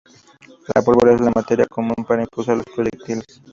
La pólvora es la materia común para impulsar los proyectiles.